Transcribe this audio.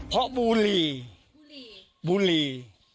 เพราะบลีบลี